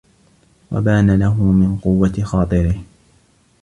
وَبَانَ لَهُ مِنْ قُوَّةِ خَاطِرِهِ